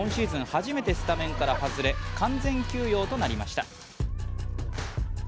初めてスタメンから外れ完全休養となりました。